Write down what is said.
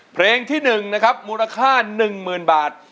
เพลงที่๑นะครับมูลค่า๑๐๐๐บาท